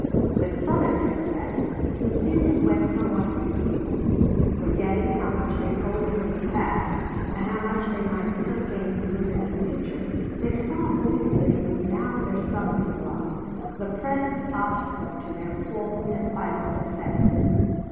With Southern Democrats the feeling went somewhat deeper. Forgetting how much they owed him in the past, and how much they might still gain through him in the future, they saw only that he was now their stumbling block, the present obstacle to their full and final success.